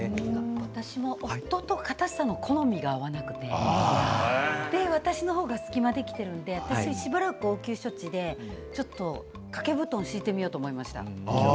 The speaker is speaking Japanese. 私も夫とかたさの好みが合わなくて私の方が隙間ができているのでしばらく応急処置でちょっと掛け布団を敷いてみようと思いました。